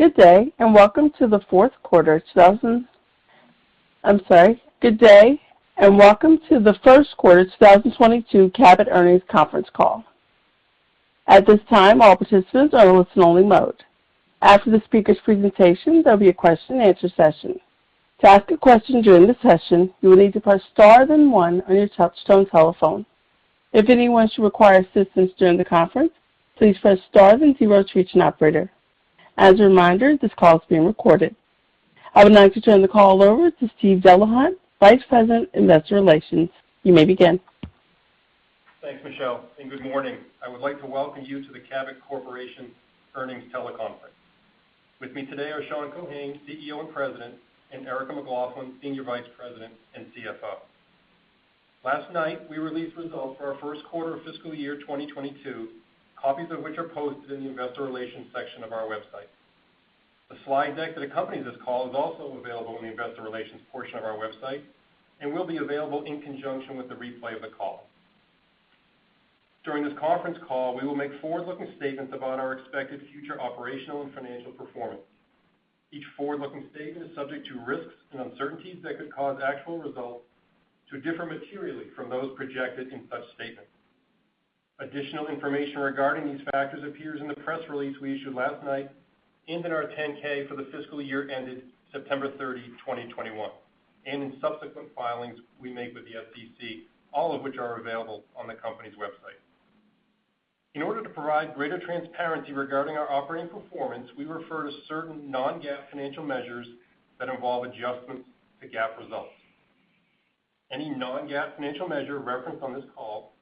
Good day, and welcome to the Q1 2022 Cabot Earnings Conference Call. At this time, all participants are in listen-only mode. After the speakers' presentation, there'll be a question and answer session. To ask a question during the session, you will need to press star then one on your touchtone telephone. If anyone should require assistance during the conference, please press star then zero to reach an operator. As a reminder, this call is being recorded. I would like to turn the call over to Steve Delahunt, Vice President, Investor Relations. You may begin. Thanks, Michelle, and good morning. I would like to welcome you to the Cabot Corporation Earnings Teleconference. With me today are Sean Keohane, CEO and President, and Erica McLaughlin, Senior Vice President and CFO. Last night, we released results for our Q1 of fiscal year 2022, copies of which are posted in the investor relations section of our website. The slide deck that accompanies this call is also available in the investor relations portion of our website and will be available in conjunction with the replay of the call. During this conference call, we will make forward-looking statements about our expected future operational and financial performance. Each forward-looking statement is subject to risks and uncertainties that could cause actual results to differ materially from those projected in such statements. Additional information regarding these factors appears in the press release we issued last night and in our 10-K for the fiscal year ended September 30, 2021, and in subsequent filings we make with the SEC, all of which are available on the company's website. In order to provide greater transparency regarding our operating performance, we refer to certain non-GAAP financial measures that involve adjustments to GAAP results. Any non-GAAP financial measure referenced on this call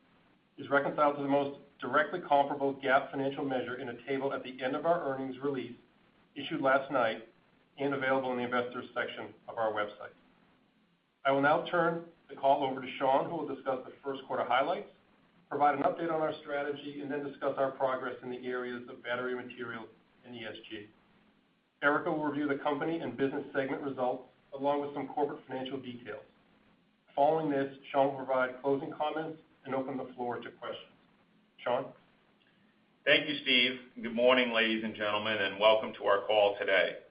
is reconciled to the most directly comparable GAAP financial measure in a table at the end of our earnings release issued last night and available in the investors section of our website. I will now turn the call over to Sean, who will discuss the Q1 highlights, provide an update on our strategy, and then discuss our progress in the areas of Battery Materials and ESG. Erica will review the company and business segment results along with some corporate financial details. Following this, Sean will provide closing comments and open the floor to questions. Sean? Thank you, Steve. Good morning, ladies and gentlemen, and welcome to our call today.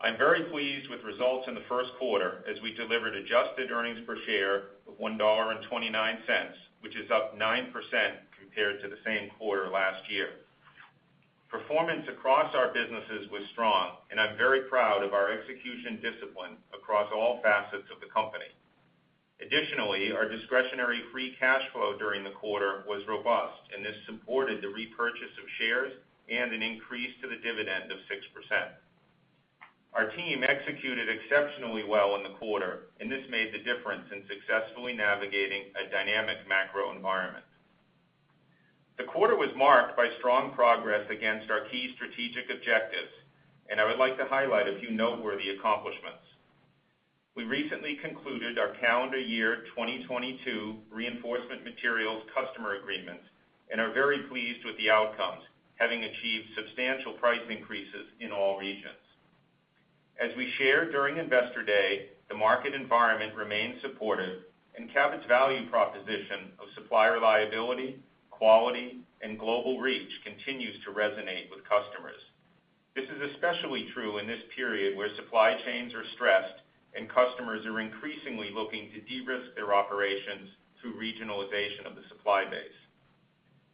I'm very pleased with results in the Q1 as we delivered adjusted earnings per share of $1.29, which is up 9% compared to the same quarter last year. Performance across our businesses was strong, and I'm very proud of our execution discipline across all facets of the company. Additionally, our discretionary free cash flow during the quarter was robust, and this supported the repurchase of shares and an increase to the dividend of 6%. Our team executed exceptionally well in the quarter, and this made the difference in successfully navigating a dynamic macro environment. The quarter was marked by strong progress against our key strategic objectives, and I would like to highlight a few noteworthy accomplishments. We recently concluded our calendar year 2022 Reinforcement Materials customer agreements and are very pleased with the outcomes, having achieved substantial price increases in all regions. As we shared during Investor Day, the market environment remains supportive and Cabot's value proposition of supply reliability, quality, and global reach continues to resonate with customers. This is especially true in this period where supply chains are stressed and customers are increasingly looking to de-risk their operations through regionalization of the supply base.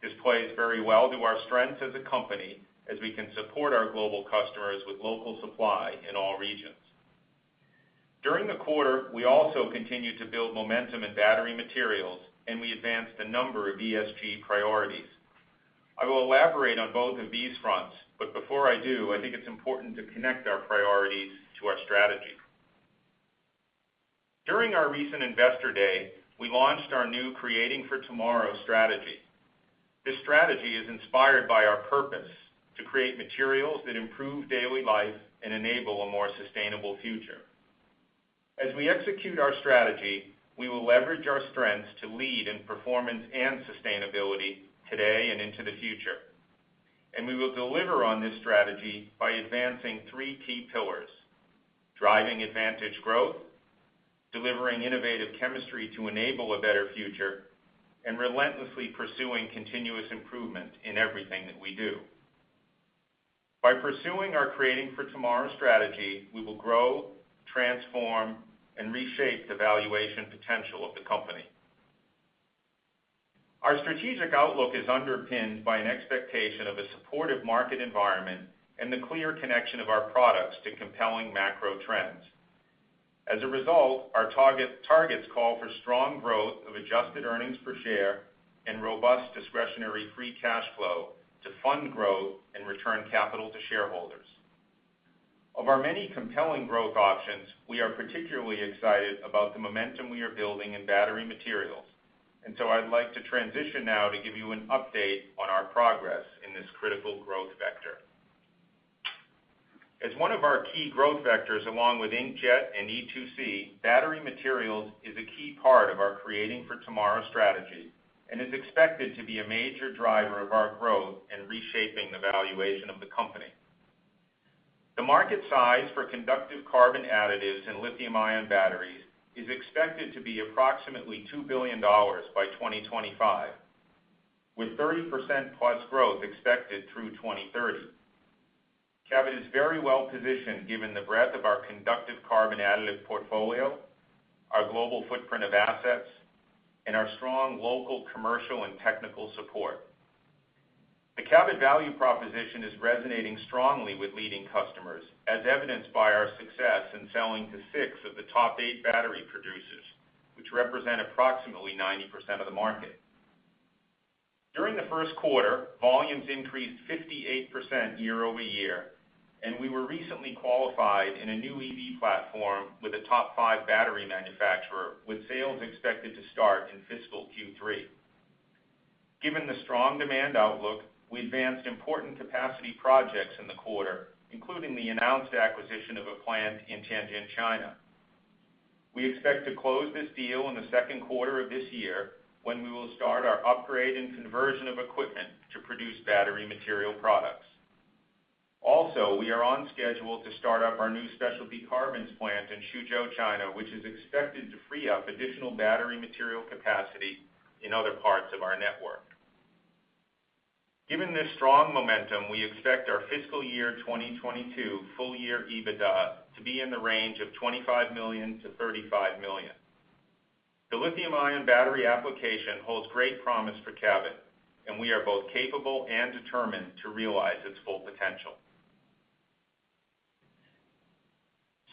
This plays very well to our strengths as a company as we can support our global customers with local supply in all regions. During the quarter, we also continued to build momentum in Battery Materials, and we advanced a number of ESG priorities. I will elaborate on both of these fronts, but before I do, I think it's important to connect our priorities to our strategy. During our recent Investor Day, we launched our new Creating for Tomorrow strategy. This strategy is inspired by our purpose to create materials that improve daily life and enable a more sustainable future. As we execute our strategy, we will leverage our strengths to lead in performance and sustainability today and into the future. We will deliver on this strategy by advancing three key pillars, driving advantage growth, delivering innovative chemistry to enable a better future, and relentlessly pursuing continuous improvement in everything that we do. By pursuing our Creating for Tomorrow strategy, we will grow, transform, and reshape the valuation potential of the company. Our strategic outlook is underpinned by an expectation of a supportive market environment and the clear connection of our products to compelling macro trends. As a result, our targets call for strong growth of adjusted earnings per share and robust discretionary free cash flow to fund growth and return capital to shareholders. Of our many compelling growth options, we are particularly excited about the momentum we are building in Battery Material. I'd like to transition now to give you an update on our progress in this critical growth vector. As one of our key growth vectors, along with Inkjet and E2C, Battery Materials is a key part of our Creating for Tomorrow strategy and is expected to be a major driver of our growth in reshaping the valuation of the company. The market size for conductive carbon additives in lithium-ion batteries is expected to be approximately $2 billion by 2025, with 30%+ growth expected through 2030. Cabot is very well positioned given the breadth of our conductive carbon additive portfolio, our global footprint of assets, and our strong local commercial and technical support. The Cabot value proposition is resonating strongly with leading customers, as evidenced by our success in selling to six of the top eight battery producers, which represent approximately 90% of the market. During the Q1, volumes increased 58% year-over-year, and we were recently qualified in a new EV platform with a top five battery manufacturer, with sales expected to start in fiscal Q3. Given the strong demand outlook, we advanced important capacity projects in the quarter, including the announced acquisition of a plant in Tianjin, China. We expect to close this deal in the Q2 of this year, when we will start our upgrade and conversion of equipment to produce Battery Material products. Also, we are on schedule to start up our Specialty Carbon plant in Suzhou, China, which is expected to free up additional Battery Material capacity in other parts of our network. Given this strong momentum, we expect our fiscal year 2022 full-year EBITDA to be in the range of $25 million-$35 million. The lithium-ion battery application holds great promise for Cabot, and we are both capable and determined to realize its full potential.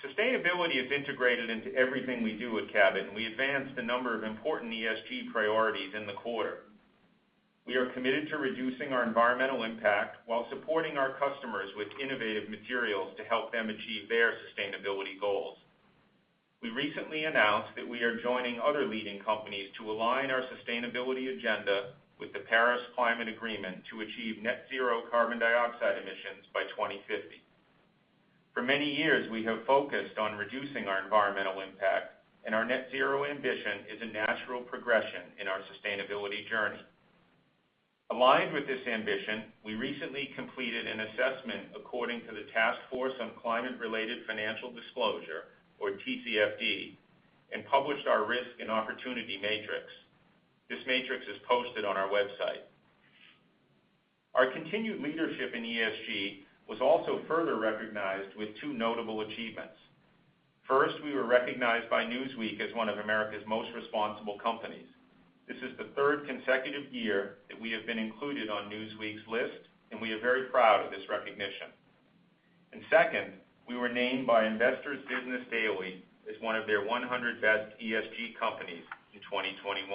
Sustainability is integrated into everything we do at Cabot, and we advanced a number of important ESG priorities in the quarter. We are committed to reducing our environmental impact while supporting our customers with innovative materials to help them achieve their sustainability goals. We recently announced that we are joining other leading companies to align our sustainability agenda with the Paris Climate Agreement to achieve net zero carbon dioxide emissions by 2050. For many years, we have focused on reducing our environmental impact, and our net zero ambition is a natural progression in our sustainability journey. Aligned with this ambition, we recently completed an assessment according to the Task Force on Climate-related Financial Disclosures, or TCFD, and published our Risk and Opportunity Matrix. This matrix is posted on our website. Our continued leadership in ESG was also further recognized with two notable achievements. First, we were recognized by Newsweek as one of America's Most Responsible Companies. This is the third consecutive year that we have been included on Newsweek's list, and we are very proud of this recognition. Second, we were named by Investor's Business Daily as one of their 100 Best ESG Companies in 2021.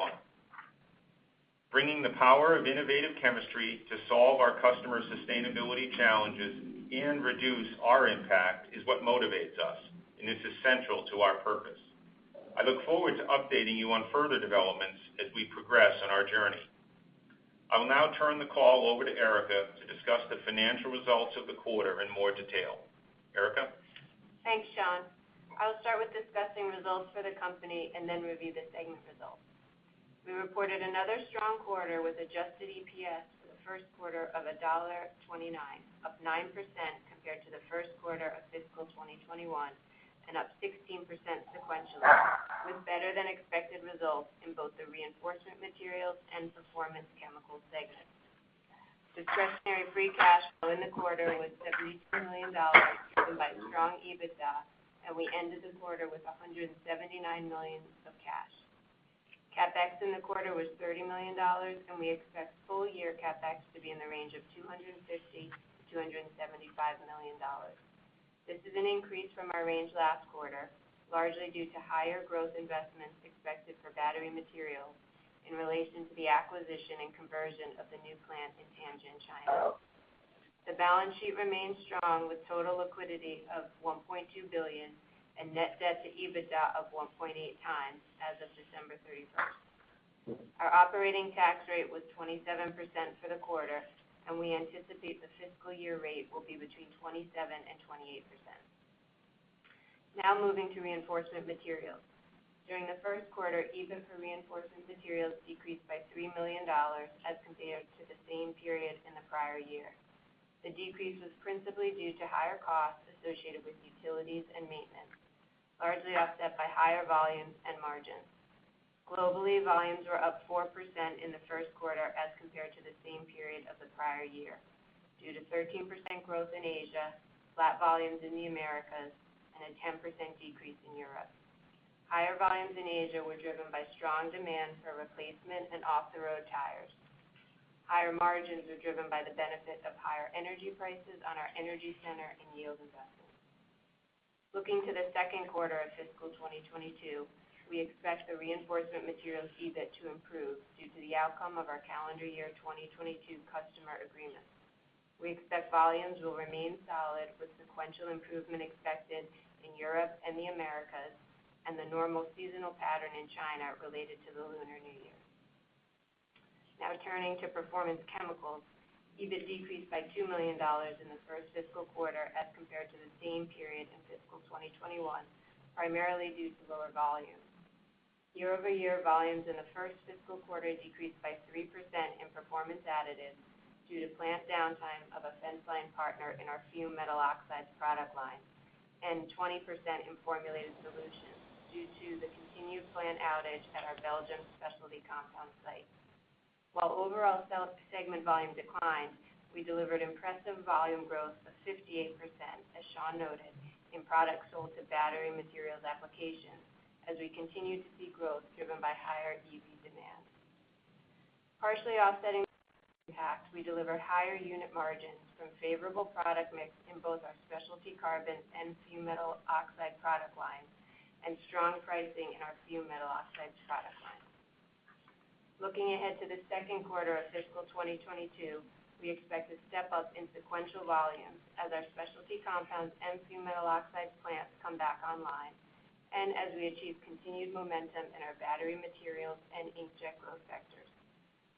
Bringing the power of innovative chemistry to solve our customers' sustainability challenges and reduce our impact is what motivates us, and it's essential to our purpose. I look forward to updating you on further developments as we progress on our journey. I will now turn the call over to Erica to discuss the financial results of the quarter in more detail. Erica? Thanks, Sean. I'll start with discussing results for the company and then review the segment results. We reported another strong quarter with adjusted EPS for the Q1 of $1.29, up 9% compared to the Q1 of fiscal 2021, and up 16% sequentially, with better-than-expected results in both the Reinforcement Materials and Performance Chemicals segments. Discretionary Free Cash Flow in the quarter was $72 million, driven by strong EBITDA, and we ended the quarter with $179 million of cash. CapEx in the quarter was $30 million, and we expect full-year CapEx to be in the range of $250 million-$275 million. This is an increase from our range last quarter, largely due to higher growth investments expected for Battery Materials in relation to the acquisition and conversion of the new plant in Tianjin, China. The balance sheet remains strong, with total liquidity of $1.2 billion and net debt to EBITDA of 1.8x as of December 31st. Our operating tax rate was 27% for the quarter, and we anticipate the fiscal year rate will be between 27% and 28%. Now moving to Reinforcement Materials. During the Q1, EBIT for Reinforcement Materials decreased by $3 million as compared to the same period in the prior year. The decrease was principally due to higher costs associated with utilities and maintenance, largely offset by higher volumes and margins. Globally, volumes were up 4% in the Q1 as compared to the same period of the prior year due to 13% growth in Asia, flat volumes in the Americas, and a 10% decrease in Europe. Higher volumes in Asia were driven by strong demand for replacement and off-the-road tires. Higher margins were driven by the benefit of higher energy prices on our energy center and yield investments. Looking to the Q2 of fiscal 2022, we expect the Reinforcement Materials EBIT to improve due to the outcome of our calendar year 2022 customer agreements. We expect volumes will remain solid with sequential improvement expected in Europe and the Americas, and the normal seasonal pattern in China related to the Lunar New Year. Now turning to Performance Chemicals. EBIT decreased by $2 million in the first fiscal quarter as compared to the same period in fiscal 2021, primarily due to lower volumes. Year-over-year volumes in the first fiscal quarter decreased by 3% in Performance Additives due to plant downtime of a fenceline partner in our fumed metal oxide product line, and 20% in Formulated Solutions due to the continued plant outage at our Belgian specialty compound site. While overall sales segment volume declined, we delivered impressive volume growth of 58%, as Sean noted, in products sold to Battery Materials applications as we continue to see growth driven by higher EV demand. Partially offsetting impact, we delivered higher unit margins from favorable product mix in both our Specialty Carbon and fumed metal oxide product lines, and strong pricing in our fumed metal oxide product line. Looking ahead to the Q2 of fiscal 2022, we expect to step up in sequential volumes as our specialty compounds and fumed metal oxide plants come back online and as we achieve continued momentum in our Battery Materials and inkjet growth sectors.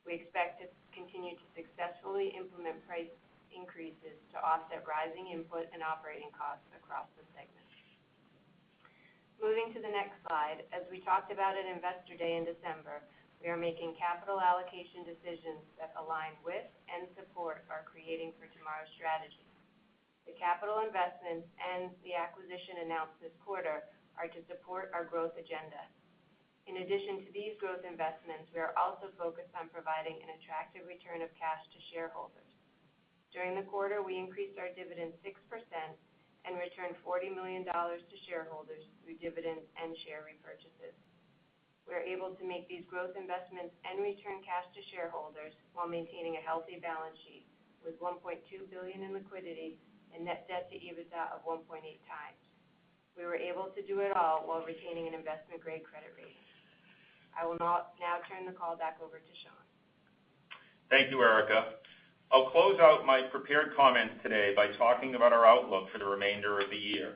We expect to continue to successfully implement price increases to offset rising input and operating costs across the segment. Moving to the next slide, as we talked about at Investor Day in December, we are making capital allocation decisions that align with and support our Creating for Tomorrow strategy. The capital investments and the acquisition announced this quarter are to support our growth agenda. In addition to these growth investments, we are also focused on providing an attractive return of cash to shareholders. During the quarter, we increased our dividend 6% and returned $40 million to shareholders through dividends and share repurchases. We are able to make these growth investments and return cash to shareholders while maintaining a healthy balance sheet with $1.2 billion in liquidity and net debt to EBITDA of 1.8x. We were able to do it all while retaining an investment-grade credit rating. I will now turn the call back over to Sean. Thank you, Erica. I'll close out my prepared comments today by talking about our outlook for the remainder of the year.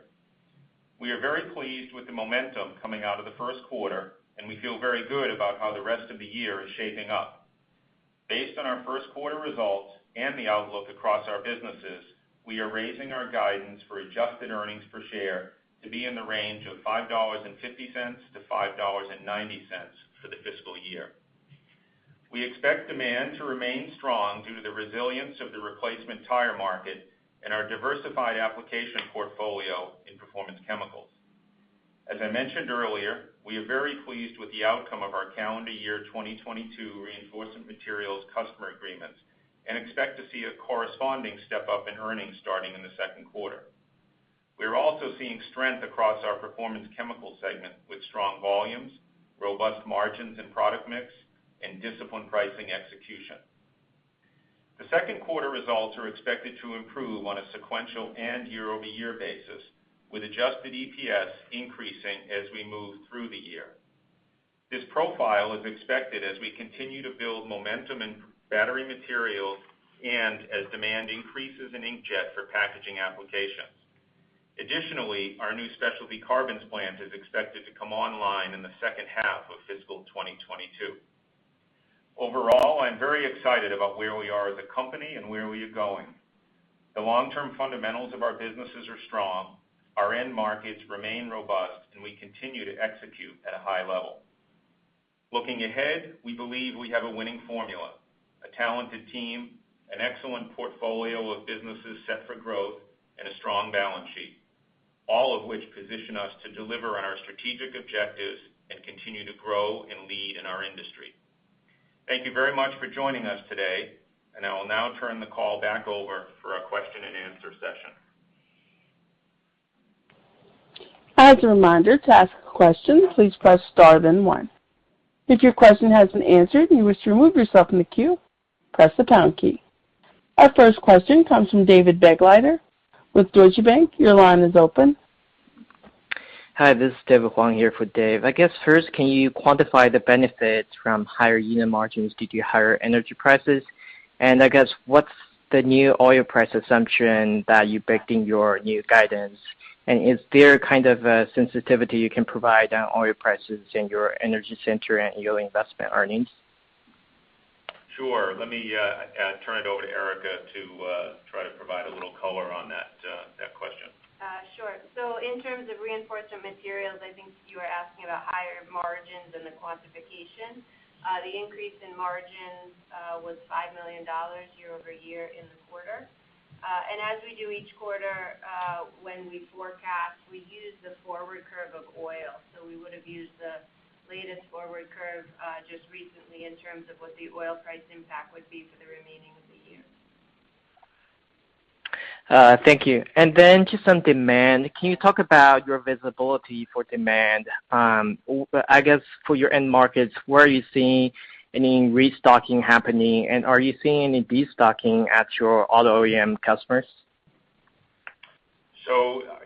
We are very pleased with the momentum coming out of the Q1, and we feel very good about how the rest of the year is shaping up. Based on our Q1 results and the outlook across our businesses, we are raising our guidance for adjusted earnings per share to be in the range of $5.50-$5.90 for the fiscal year. We expect demand to remain strong due to the resilience of the replacement tire market and our diversified application portfolio in Performance Chemicals. As I mentioned earlier, we are very pleased with the outcome of our calendar year 2022 Reinforcement Materials customer agreements and expect to see a corresponding step-up in earnings starting in the Q2. We are also seeing strength across our Performance Chemicals segment with strong volumes, robust margins and product mix, and disciplined pricing execution. The Q2 results are expected to improve on a sequential and year-over-year basis, with adjusted EPS increasing as we move through the year. This profile is expected as we continue to build momentum in Battery Materials and as demand increases in inkjet for packaging applications. Additionally, our Specialty Carbon plant is expected to come online in the second half of fiscal 2022. Overall, I'm very excited about where we are as a company and where we are going. The long-term fundamentals of our businesses are strong. Our end markets remain robust, and we continue to execute at a high level. Looking ahead, we believe we have a winning formula, a talented team, an excellent portfolio of businesses set for growth, and a strong balance sheet, all of which position us to deliver on our strategic objectives and continue to grow and lead in our industry. Thank you very much for joining us today, and I will now turn the call back over for our question and answer session. As a reminder to ask a question, please press star then one. If your question has been answered and you wish to remove yourself from the queue, press the pound key. Our first question comes from David Begleiter with Deutsche Bank. Your line is open. Hi, this is David Huang here for Dave. I guess first, can you quantify the benefits from higher unit margins due to higher energy prices? I guess what's the new oil price assumption that you baked in your new guidance? Is there kind of a sensitivity you can provide on oil prices in your energy center and yield investment earnings? Sure. Let me turn it over to Erica to try to provide a little color on that question. Sure. In terms of Reinforcement Materials, I think you are asking about higher margins and the quantification. The increase in margins was $5 million year-over-year in the quarter. As we do each quarter, when we forecast, we use the forward curve of oil. We would have used the latest forward curve, just recently in terms of what the oil price impact would be for the remaining of the year. Thank you. Just on demand, can you talk about your visibility for demand? I guess for your end markets, where are you seeing any restocking happening? Are you seeing any destocking at your auto OEM customers?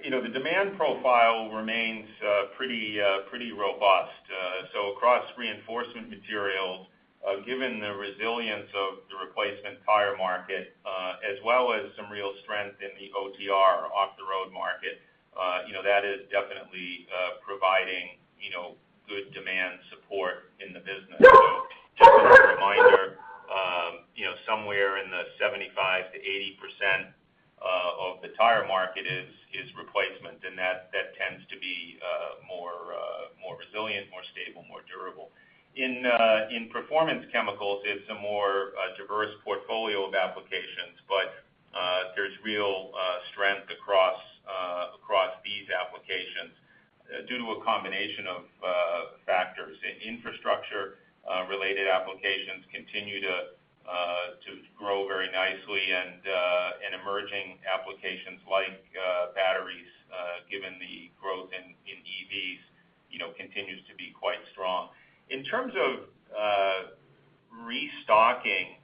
You know, the demand profile remains pretty robust. Across Reinforcement Materials, given the resilience of the replacement tire market, as well as some real strength in the OTR, off-the-road market, you know, that is definitely providing good demand support in the business. Somewhere in the 75%-80% of the tire market is replacement, and that tends to be more resilient, more stable, more durable. In Performance Chemicals, it's a more diverse portfolio of applications, but there's real strength across these applications due to a combination of factors. Infrastructure related applications continue to grow very nicely and emerging applications like batteries, given the growth in EVs, you know, continues to be quite strong. In terms of restocking,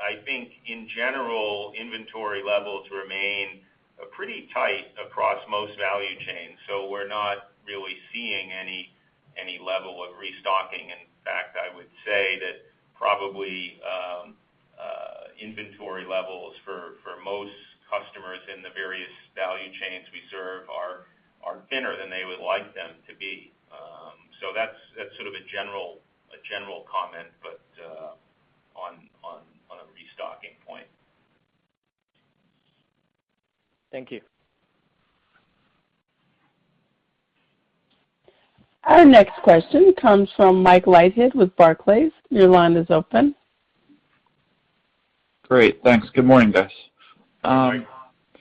I think in general, inventory levels remain pretty tight across most value chains. We're not really seeing any level of restocking. In fact, I would say that probably inventory levels for most customers in the various value chains we serve are thinner than they would like them to be. That's sort of a general comment, but on a restocking point. Thank you. Our next question comes from Mike Leithead with Barclays. Your line is open. Great. Thanks. Good morning, guys. Hi.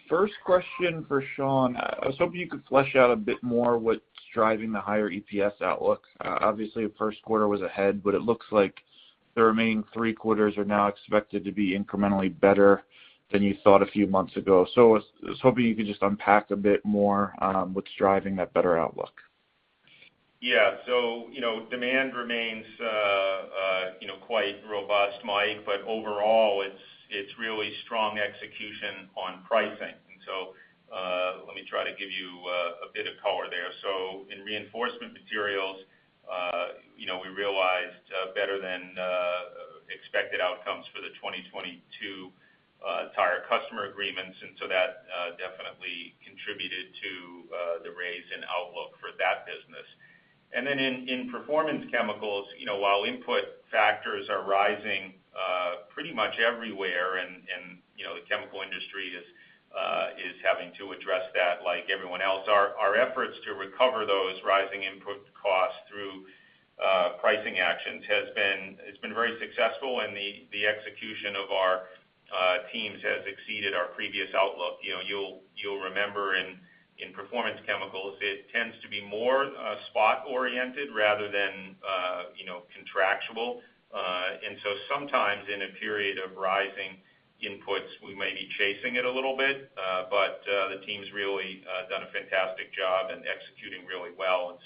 First question for Sean. I was hoping you could flesh out a bit more what's driving the higher EPS outlook. Obviously, Q1 was ahead, but it looks like the remaining three quarters are now expected to be incrementally better than you thought a few months ago. I was hoping you could just unpack a bit more, what's driving that better outlook. Yeah. You know, demand remains, you know, quite robust, Mike, but overall, it's really strong execution on pricing. Let me try to give you a bit of color there. In Reinforcement Materials, you know, we realized better than expected outcomes for the 2022 tire customer agreements, and that definitely contributed to the raise in outlook for that business. In Performance Chemicals, you know, while input factors are rising pretty much everywhere, and you know, the chemical industry is having to address that like everyone else. Our efforts to recover those rising input costs through pricing actions has been. It's been very successful, and the execution of our teams has exceeded our previous outlook. You know, you'll remember in Performance Chemicals, it tends to be more spot-oriented rather than you know, contractual. Sometimes in a period of rising inputs, we may be chasing it a little bit. The team's really done a fantastic job in executing really well.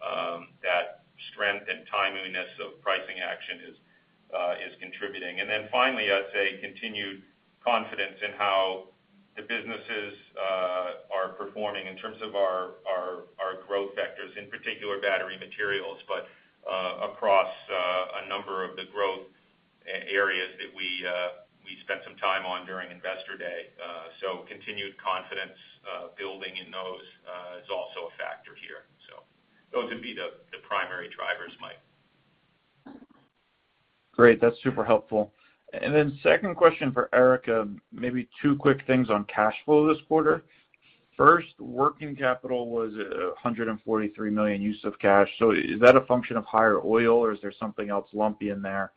That strength and timeliness of pricing action is contributing. Finally, I'd say continued confidence in how the businesses are performing in terms of our growth vectors, in particular Battery Materials, but across a number of the growth areas that we spent some time on during Investor Day. Continued confidence building in those is also a factor here. Those would be the primary drivers, Mike. Great. That's super helpful. Second question for Erica, maybe two quick things on cash flow this quarter. First, working capital was a $143 million use of cash. Is that a function of higher oil, or is there something else lumpy in there?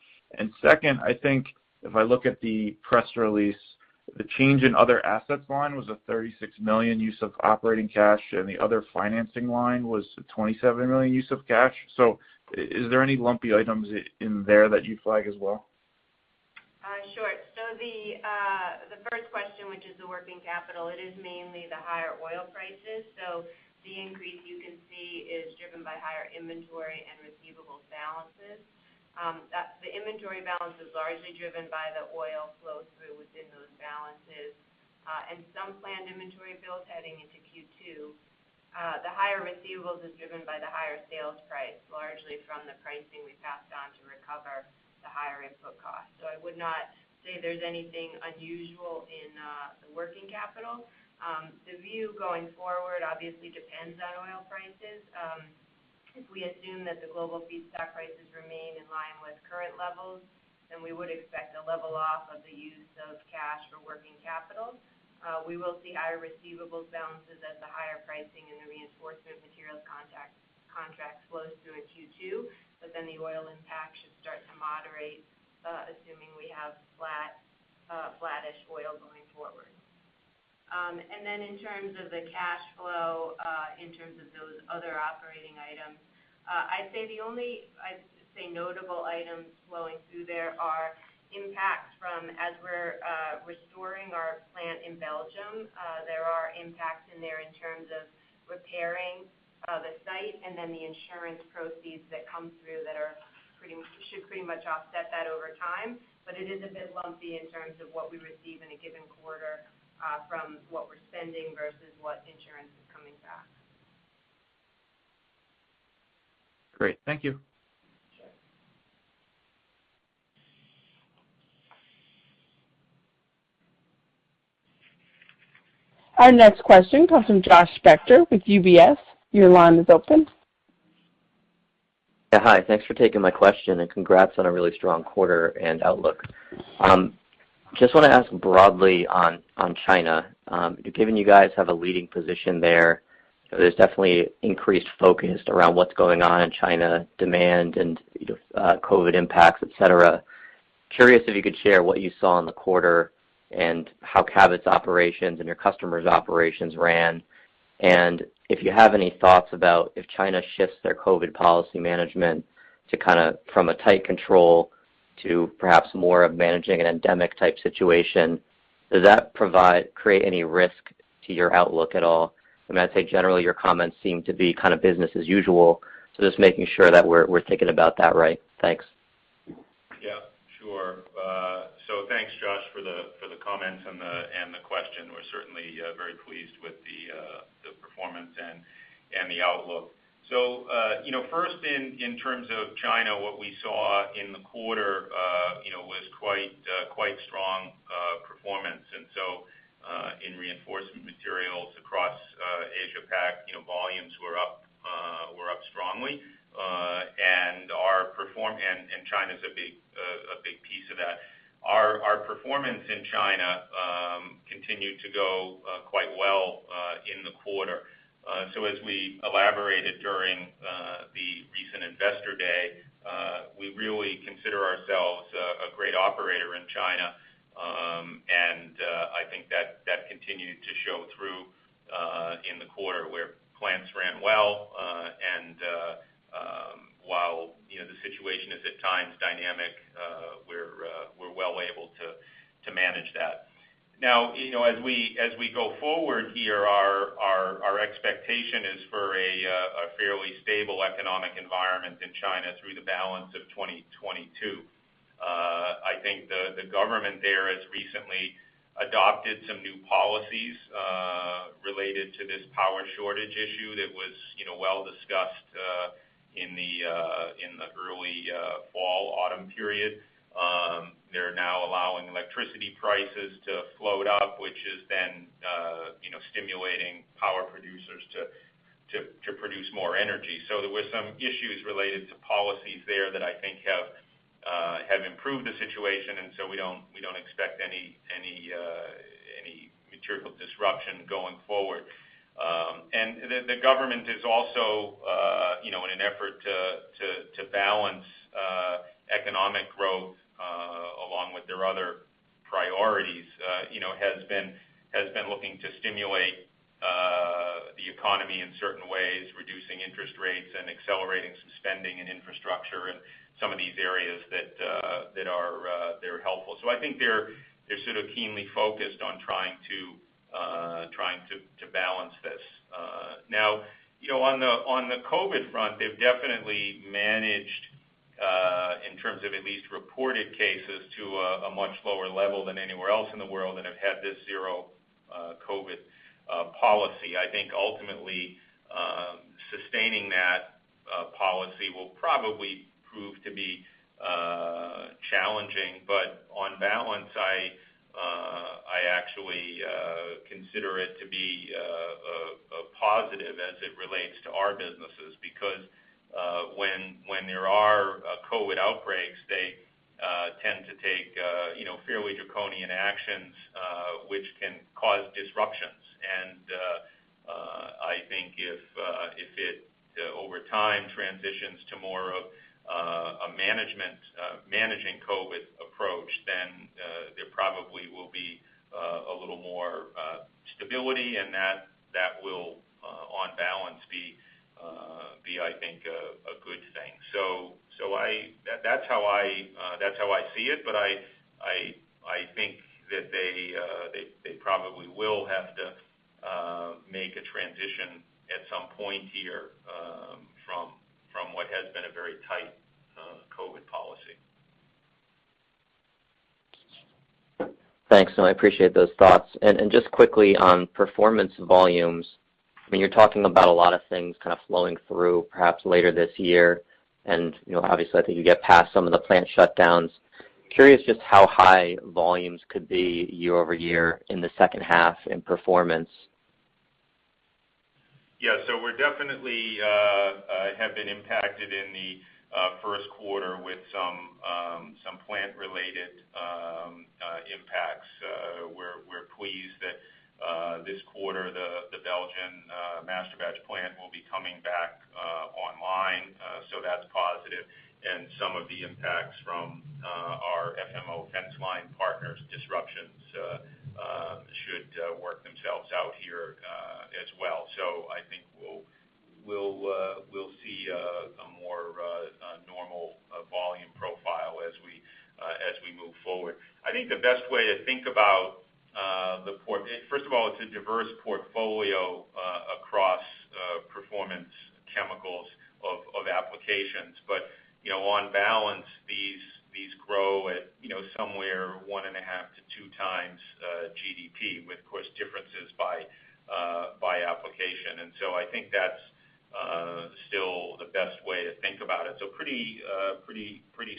Second, I think if I look at the press release, the change in other assets line was a $36 million use of operating cash, and the other financing line was a $27 million use of cash. Is there any lumpy items in there that you flag as well? Sure. The first question, which is the working capital, it is mainly the higher oil prices. The increase you can see is driven by higher inventory and receivable balances. That the inventory balance is largely driven by the oil flow through within those balances, and some planned inventory builds heading into Q2. The higher receivables is driven by the higher sales price, largely from the pricing we passed on to recover the higher input cost. I would not say there's anything unusual in the working capital. The view going forward obviously depends on oil prices. If we assume that the global feedstock prices remain in line with current levels, then we would expect a level off of the use of cash for working capital. We will see higher receivables balances as the higher pricing in the Reinforcement Materials contract flows through in Q2, but then the oil impact should start to moderate, assuming we have flat, flattish oil going forward. In terms of the cash flow, in terms of those other operating items, I'd say the only notable items flowing through there are impacts from, as we're restoring our plant in Belgium, there are impacts in there in terms of repairing the site, and then the insurance proceeds that come through that should pretty much offset that over time. It is a bit lumpy in terms of what we receive in a given quarter, from what we're spending versus what insurance is coming back. Great. Thank you. Our next question comes from Josh Spector with UBS. Your line is open. Yeah. Hi. Thanks for taking my question, and congrats on a really strong quarter and outlook. Just wanna ask broadly on China. Given you guys have a leading position there's definitely increased focus around what's going on in China, demand and, you know, COVID impacts, et cetera. Curious if you could share what you saw in the quarter and how Cabot's operations and your customers' operations ran. If you have any thoughts about if China shifts their COVID policy management to kinda from a tight control to perhaps more of managing an endemic type situation, does that create any risk to your outlook at all? I mean, I'd say generally your comments seem to be kind of business as usual, so just making sure that we're thinking about that right. Thanks. Yeah, sure. Thanks, Josh, for the comments and the question. We're certainly very pleased with the performance and the outlook. You know, first in terms of China, what we saw in the quarter was quite strong performance. In Reinforcement Materials across Asia Pac, you know, volumes were up strongly. China's a big piece of that. Our performance in China continued to go quite well in the quarter. As we elaborated during the recent Investor Day, we really consider ourselves a great operator in China. I think that continued to show through in the quarter where plants ran well. While, you know, the situation is at times dynamic, we're well able to manage that. You know, as we go forward here, our expectation is for a fairly stable economic environment in China through the balance of 2022. I think the government there has recently adopted some new policies related to this power shortage issue that was, you know, well discussed in the early fall autumn period. They're now allowing electricity prices to float up, which is then, you know, stimulating power producers to produce more energy. There were some issues related to policies there that I think have improved the situation, and so we don't expect any material disruption going forward. The government is also, you know, in an effort to balance economic growth along with their other priorities, you know, has been looking to stimulate the economy in certain ways, reducing interest rates and accelerating some spending in infrastructure in some of these areas that are helpful. I think they're sort of keenly focused on trying to balance this. Now, you know, on the COVID front, they've definitely managed, in terms of at least reported cases, to a much lower level than anywhere else in the world and have had this zero COVID policy. I think ultimately, sustaining that policy will probably prove to be challenging. On balance, I actually consider it to be a positive as it relates to our businesses. Because when there are COVID outbreaks, they tend to take you know fairly draconian actions which can cause disruptions. I think if it over time transitions to more of a managing COVID approach, then there probably will be a little more stability, and that will on balance be, I think, a good thing. That's how I see it, but I think that they probably will have to make a transition at some point here from what has been a very tight COVID policy. Thanks. No, I appreciate those thoughts. Just quickly on performance volumes, I mean, you're talking about a lot of things kind of flowing through perhaps later this year. You know, obviously, I think you get past some of the plant shutdowns. Curious just how high volumes could be year-over-year in the second half in performance? Yeah. We definitely have been impacted in the Q1 with some plant-related impacts. We're pleased that this quarter the Belgian masterbatch plant will be coming back online, so that's positive. Some of the impacts from our FMO fenceline partners' disruptions should work themselves out here as well. I think we'll see a more normal volume profile as we move forward. I think the best way to think about the portfolio. First of all, it's a diverse portfolio across Performance Chemicals of applications. You know, on balance, these grow at, you know, somewhere 1.5x to 2x GDP, with, of course, differences by. And so I think that's still the best way to think about it. Pretty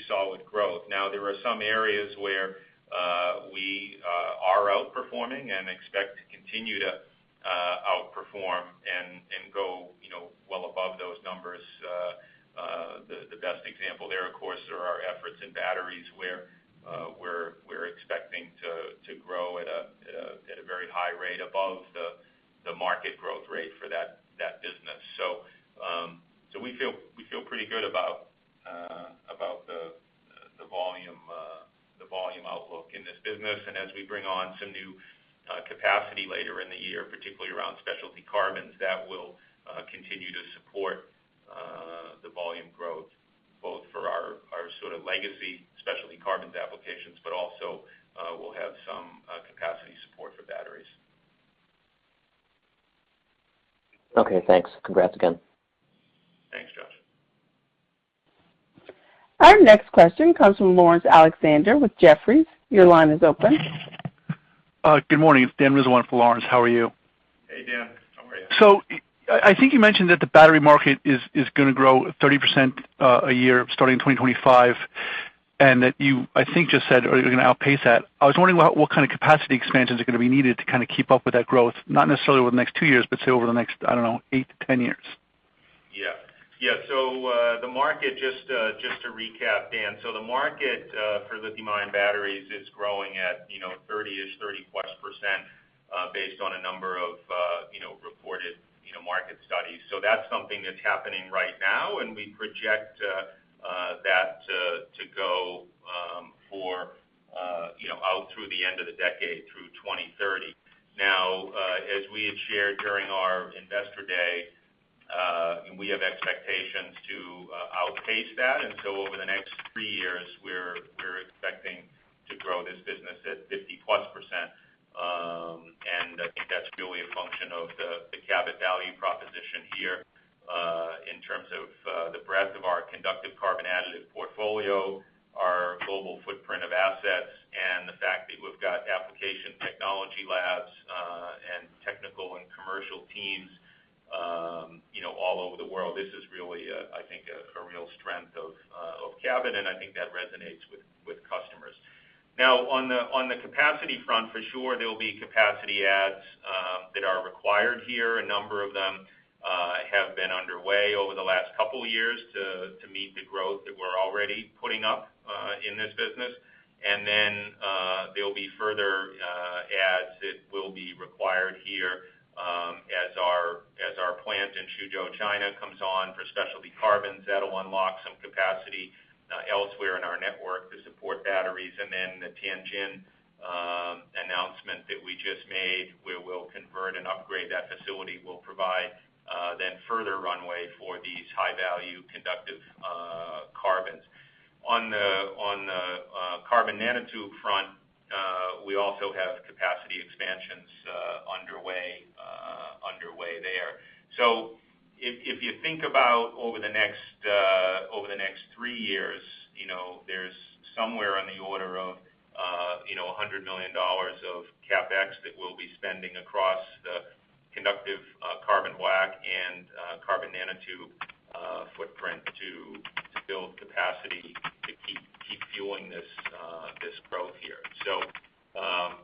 solid growth. Now, there are some areas where we are outperforming and expect to continue to outperform and go, you know, well above those numbers. The best example there, of course, are our efforts in batteries where we're expecting to grow at a very high rate above the market growth rate for that business. We feel pretty good about the volume outlook in this business. As we bring on some new capacity later in the year, particularly Specialty Carbon, that will continue to support the volume growth, both for our sort of Specialty Carbon applications, but also, we'll have some capacity support for batteries. Okay, thanks. Congrats again. Thanks, Josh. Our next question comes from Laurence Alexander with Jefferies. Your line is open. Good morning. It's Dan for Laurence. How are you? Hey, Dan. How are you? I think you mentioned that the battery market is gonna grow 30% a year starting in 2025, and that you, I think, just said you're gonna outpace that. I was wondering what kind of capacity expansions are gonna be needed to kinda keep up with that growth, not necessarily over the next two years, but say over the next, I don't know, eight to 10 years. Yeah. The market, just to recap, Dan. The market for lithium-ion batteries is growing at, you know, 30-ish, 30+%, based on a number of, you know, reported, you know, market studies. That's something that's happening right now, and we project that to go for, you know, out through the end of the decade through 2030. Now, as we had shared during our Investor Day, and we have expectations to outpace that. Over the next three years, we're expecting to grow this business at 50+%. I think that's really a function of the Cabot value proposition here, in terms of the breadth of our conductive carbon additive portfolio, our global footprint of assets, and the fact that we've got application technology labs and technical and commercial teams, you know, all over the world. This is really, I think, a real strength of Cabot, and I think that resonates with customers. Now, on the capacity front, for sure, there will be capacity adds that are required here. A number of them have been underway over the last couple years to meet the growth that we're already putting up in this business. There'll be further adds that will be required here, as our plant in Suzhou, China comes on for Specialty Carbon. That'll unlock some capacity elsewhere in our network to support batteries. Then the Tianjin announcement that we just made, where we'll convert and upgrade that facility, will provide then further runway for these high-value conductive carbons. On the carbon nanotube front, we also have capacity expansions underway there. If you think about over the next three years, you know, there's somewhere on the order of you know, $100 million of CapEx that we'll be spending across the conductive carbon black and carbon nanotube footprint to build capacity to keep fueling this growth here. You know,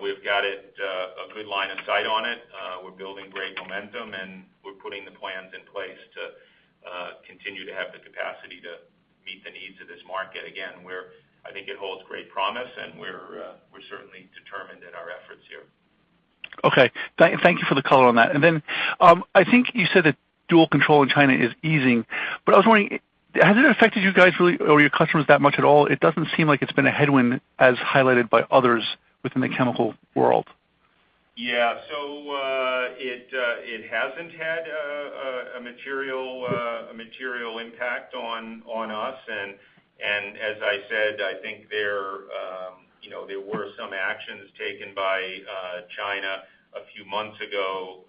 we've got a good line of sight on it. We're building great momentum, and we're putting the plans in place to continue to have the capacity to meet the needs of this market. Again, I think it holds great promise, and we're certainly determined in our efforts here. Okay. Thank you for the color on that. I think you said that dual control in China is easing, but I was wondering, has it affected you guys really, or your customers that much at all? It doesn't seem like it's been a headwind as highlighted by others within the chemical world. Yeah. It hasn't had a material impact on us. As I said, I think you know there were some actions taken by China a few months ago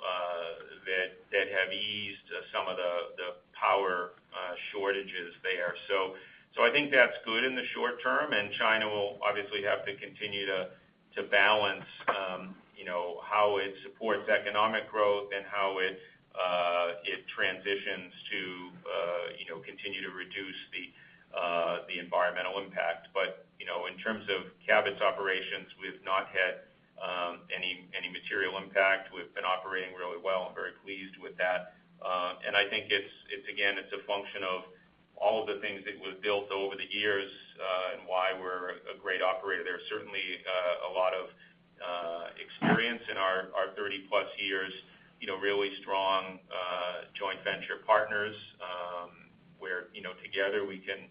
that have eased some of the power shortages there. I think that's good in the short term, and China will obviously have to continue to balance you know how it supports economic growth and how it transitions to you know continue to reduce the environmental impact. You know in terms of Cabot's operations, we've not had any material impact. We've been operating really well. I'm very pleased with that. I think it's again a function of all of the things that we've built over the years, and why we're a great operator. There's certainly a lot of experience in our 30+ years, you know, really strong joint venture partners, where you know, together we can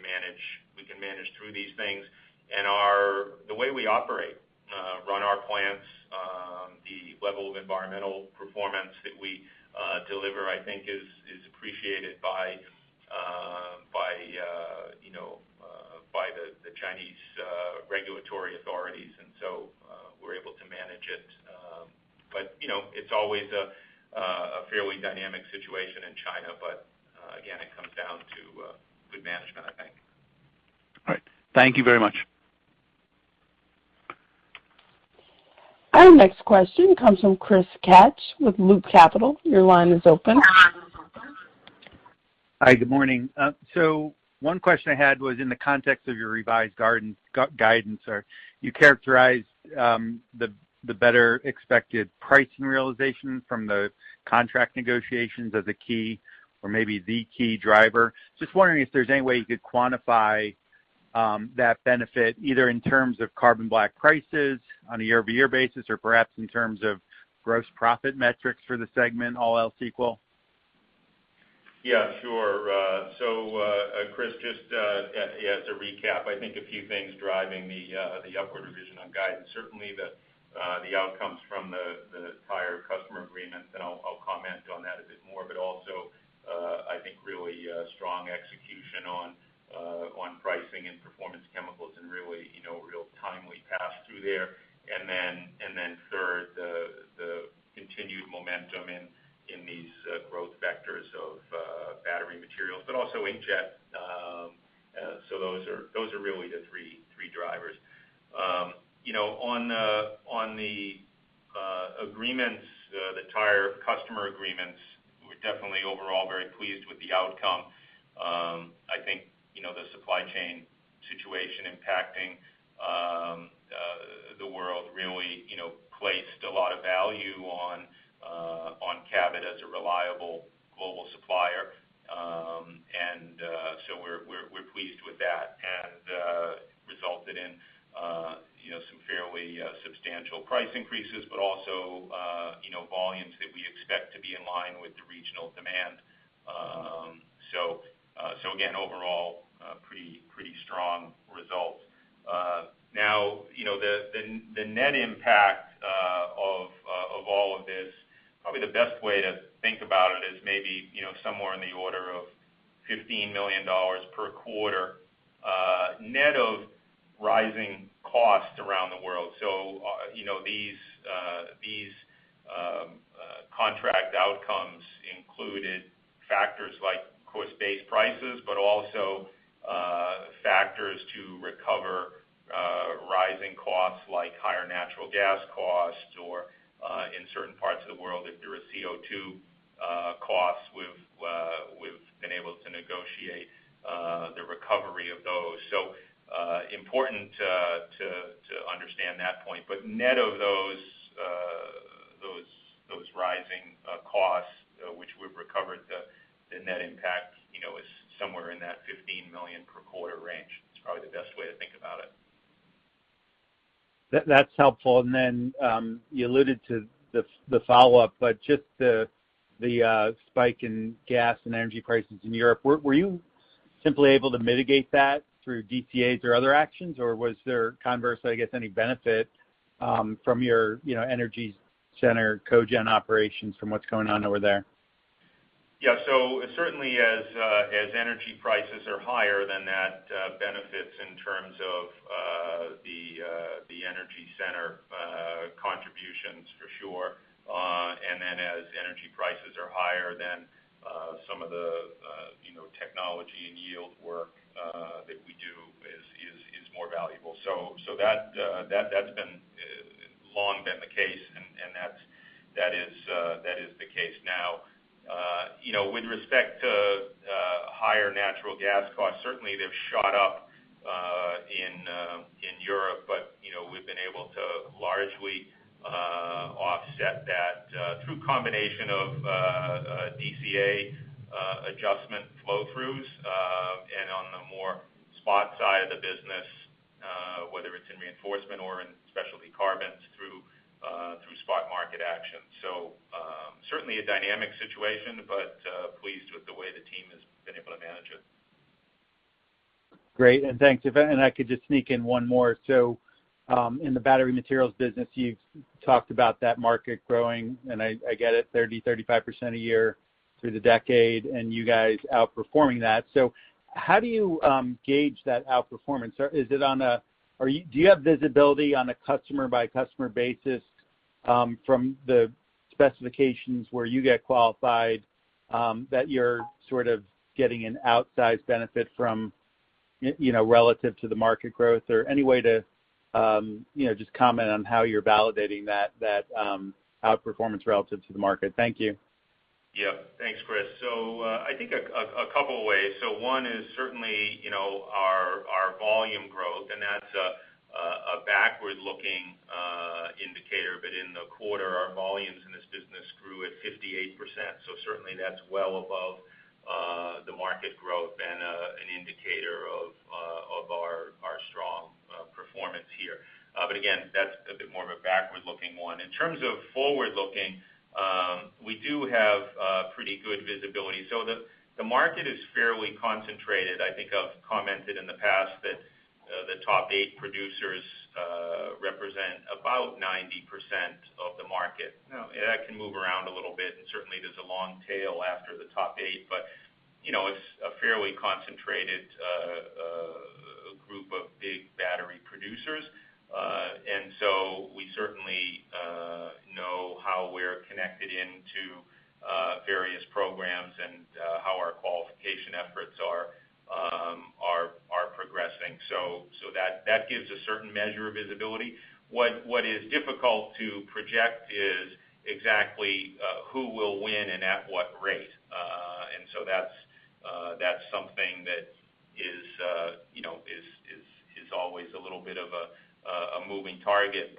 manage through these things. The way we operate, run our plants, the level of environmental performance that we deliver, I think is appreciated by the Chinese regulatory authorities. We're able to manage it. You know, it's always a fairly dynamic situation in China. Again, it comes down to good management, I think. Thank you very much. Our next question comes from Chris Kapsch with Loop Capital. Your line is open. Hi, good morning. One question I had was in the context of your revised guidance. You characterized the better expected pricing realization from the contract negotiations as a key or maybe the key driver. Just wondering if there's any way you could quantify that benefit, either in terms of carbon black prices on a year-over-year basis or perhaps in terms of gross profit metrics for the segment, all else equal. Yeah, sure. Chris, just as a recap, I think a few things driving the upward revision on guidance. Certainly the outcomes from the tire customer agreements, and I'll comment on that a bit more. Also, I think really strong execution on pricing and Performance Chemicals Important to understand that point. Net of those rising costs, which we've recovered, the net impact, you know, is somewhere in that $15 million per quarter range. That's probably the best way to think about it. That's helpful. You alluded to the follow-up, but just the spike in gas and energy prices in Europe. Were you simply able to mitigate that through DCAs or other actions, or was there conversely, I guess, any benefit from your, you know, energy center cogen operations from what's going on over there? Yeah. Certainly as energy prices are higher, then that benefits in terms of the energy center contributions for sure. As energy prices are higher, then some of the you know technology and yield work that we do is more valuable. That's long been the case and that's the case now. You know, with respect to higher natural gas costs, certainly they've shot up in Europe, but you know, we've been able to largely offset that through a combination of a DCA adjustment flow throughs and on the more spot side of the business, whether it's in reinforcement or Specialty Carbon through spot market action. Certainly a dynamic situation, but pleased with the way the team has been able to manage it. Great. Thanks. I could just sneak in one more. In the Battery Materials business, you've talked about that market growing, and I get it, 30%-35% a year through the decade, and you guys outperforming that. How do you gauge that outperformance? Or is it, do you have visibility on a customer by customer basis from the specifications where you get qualified that you're sort of getting an outsized benefit from, you know, relative to the market growth? Or any way to, you know, just comment on how you're validating that outperformance relative to the market. Thank you. Yeah. Thanks, Chris. I think a couple of ways. One is certainly, you know, our volume growth, and that's a backward-looking indicator. In the quarter, our volumes in this business grew at 58%, so certainly that's well above the market growth and an indicator of our strong performance here. Again, that's a bit more of a backward-looking one. In terms of forward-looking, we do have pretty good visibility. The market is fairly concentrated. I think I've commented in the past that the top eight producers represent about 90% of the market. Now, that can move around a little bit, and certainly there's a long tail after the top eight. You know, it's a fairly concentrated group of big battery producers. We certainly know how we're connected into various programs and how our qualification efforts are progressing. That gives a certain measure of visibility. What is difficult to project is exactly who will win and at what rate. That's something that is, you know, always a little bit of a moving target.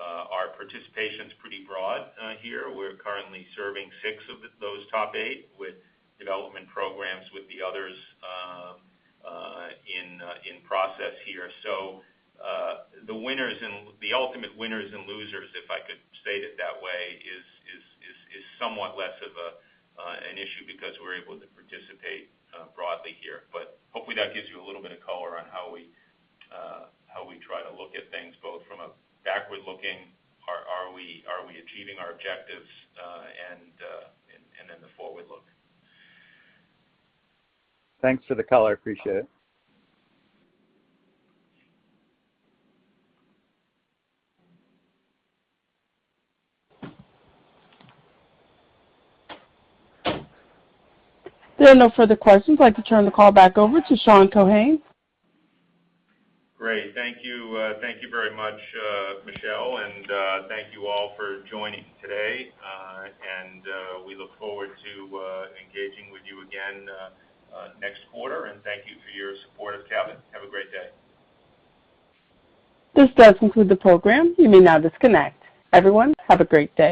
Our participation's pretty broad here. We're currently serving six of those top eight with development programs with the others in process here. The ultimate winners and losers, if I could state it that way, is somewhat less of an issue because we're able to participate broadly here. Hopefully that gives you a little bit of color on how we try to look at things both from a backward-looking, are we achieving our objectives, and then the forward look. Thanks for the color. I appreciate it. There are no further questions. I'd like to turn the call back over to Sean Keohane. Great. Thank you. Thank you very much, Michelle. Thank you all for joining today. We look forward to engaging with you again next quarter. Thank you for your support of Cabot. Have a great day. This does conclude the program. You may now disconnect. Everyone, have a great day.